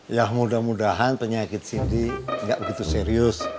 ya mudah mudahan penyakit cindy nggak begitu serius